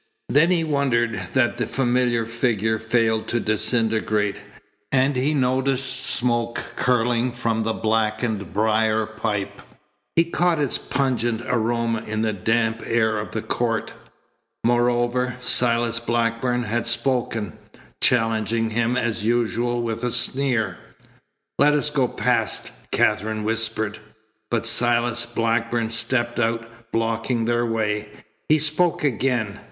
Then he wondered that the familiar figure failed to disintegrate, and he noticed smoke curling from the blackened briar pipe. He caught its pungent aroma in the damp air of the court. Moreover, Silas Blackburn had spoken, challenging him as usual with a sneer. "Let us go past," Katherine whispered. But Silas Blackburn stepped out, blocking their way. He spoke again.